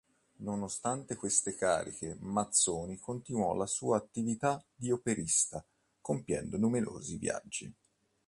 Nonostante queste cariche, Mazzoni continuò la sua attività di operista compiendo numerosi viaggi.